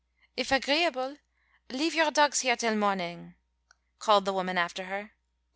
"If agreeable leave your dogs here till mornin'," called the woman after her.